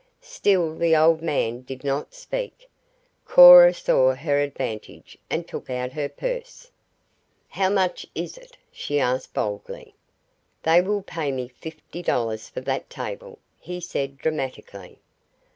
Still the old man did not speak. Cora saw her advantage and took out her purse. "How much is it?" she asked boldly. "They will pay me fifty dollars for that table," he said dramatically.